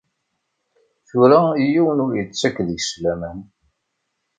Tura yiwen ur yettak deg-s laman.